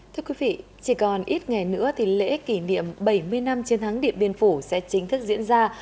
thưa quý vị chỉ còn ít ngày nữa thì lễ kỷ niệm bảy mươi năm chiến thắng điện biên phủ sẽ chính thức diễn ra